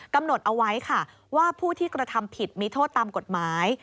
กำหนดเอาไว้ค่ะว่าผู้ที่กระทำผิดมีโทษตามกฎหมาย